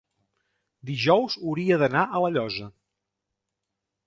Dijous hauria d'anar a La Llosa.